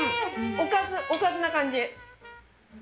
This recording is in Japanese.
おかず、おかずな感じ。